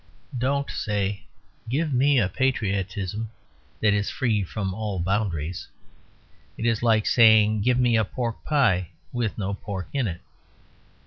Don't say, "Give me a patriotism that is free from all boundaries." It is like saying, "Give me a pork pie with no pork in it."